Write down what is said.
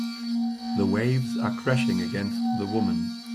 The waves are crashing against the woman.